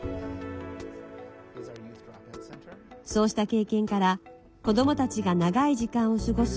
そうした経験から子どもたちが長い時間を過ごす